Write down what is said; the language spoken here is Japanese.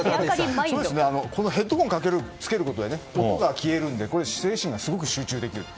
このヘッドフォンをつけることで、音が消えるので精神がすごく集中できる。